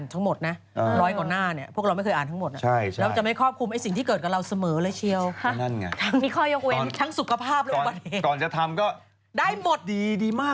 อันนี้ประกันไม่ครอบคลุมใช่ไหม